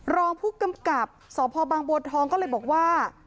รองผู้กำกับสพบทก็เลยบอกว่า